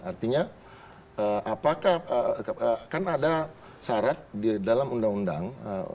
artinya apakah kan ada syarat di dalam undang undang